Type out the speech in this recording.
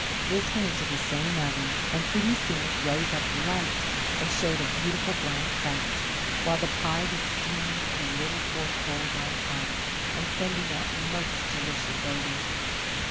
This went into the same oven and pretty soon it rose up light and showed a beautiful brown crust, while the pie was steaming through little fork holes on top, and sending out most delicious odours.